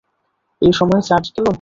এই সময়ে চার্জ গেল!